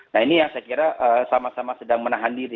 nah ini yang saya kira sama sama sedang menahan diri